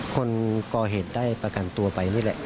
คนก่อเหตุได้ประกันตัวไปนี่แหละ